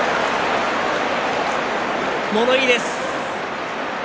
物言いです。